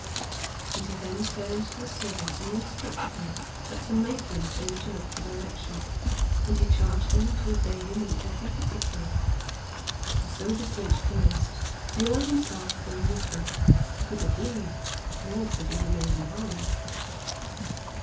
And he then turned to the servants and instructed them that to Maitland they were to look for direction, and he charged them to obey him in every particular. And so the search commenced, the earl himself going with them. He could not lead, nor could he remain behind.